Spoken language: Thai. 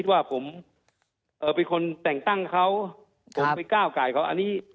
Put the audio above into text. ว่าผมเป็นคนแต่งตั้งเขาผมไปก้าวไก่เขาอันนี้